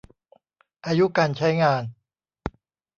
อายุการใช้งาน